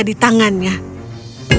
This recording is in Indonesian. dan mijinnya ada di es